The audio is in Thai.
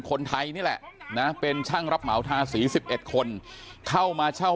คนไทยนี่แหละนะเป็นช่างรับเหมาทาสี๑๑คนเข้ามาเช่า